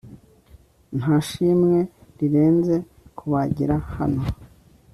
ntashimwe rirenze kubagira hano